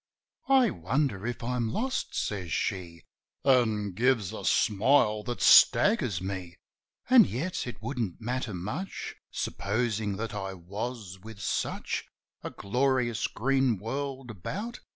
"I wonder if I'm lost?" says she, An' gives a smile that staggers me. "An' yet, it wouldn't matter much Supposing that I was, with such A glorious green world about.